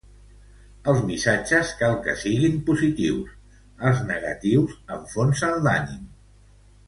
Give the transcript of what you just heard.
Els missatges cal que siguin positius, els negatius enfonsen l'ànim.